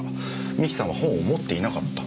三木さんは本を持っていなかった。